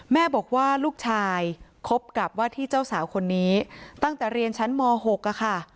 แม่บอกว่าลูกชายคบกับว่าที่เจ้าสาวคนนี้ตั้งแต่เรียนชั้นม๖ค่ะ